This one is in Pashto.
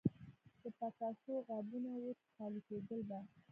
د پتاسو غابونه وو چې خالي کېدل به.